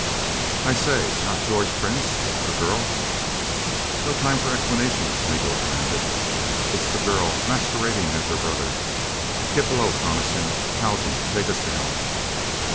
"I say, not George Prince? The girl " "No time for explanations," Miko commanded. "It's the girl, masquerading as her brother. Get below, Coniston. Haljan takes us down."